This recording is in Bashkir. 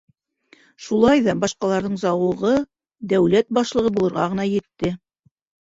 Шулай ҙа башҡаларҙың зауығы дәүләт башлығы булырға ғына етте.